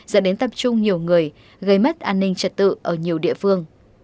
dẫn đến tập trung nhiều người gây mất an ninh trật tự ở nhiều địa phương